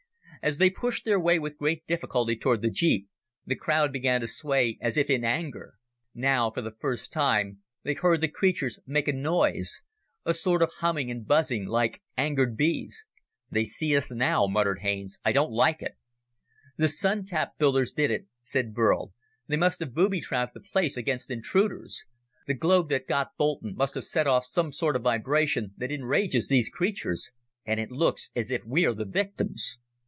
As they pushed their way with great difficulty toward the jeep, the crowd began to sway, as if in anger. Now, for the first time, they heard the creatures make a noise a sort of humming and buzzing like angered bees. "They see us now," muttered Haines. "I don't like it." "The Sun tap builders did it," said Burl. "They must have booby trapped the place against intruders. The globe that got Boulton must have set off some sort of vibration that enrages these creatures. And it looks as if we're the victims."